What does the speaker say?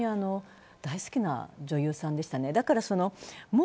本当に大好きな女優さんでした。